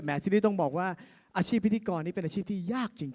ที่นี่ต้องบอกว่าอาชีพพิธีกรนี้เป็นอาชีพที่ยากจริง